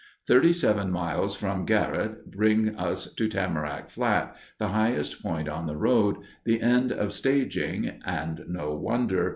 Thirty seven miles from Garrote bring us to Tamarack Flat, the highest point on the road, the end of staging, and no wonder.